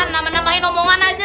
nah menambahin omongan aja